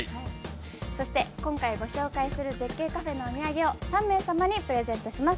そして今回ご紹介する絶景カフェのお土産を３名様にプレゼントします。